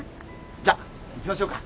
じゃあ行きましょうか。